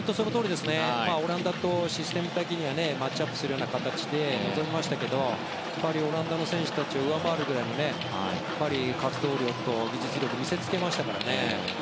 オランダとシステム的にマッチアップするような形でしたけどもオランダの選手たちを上回るぐらいの活動量と技術を見せつけましたから。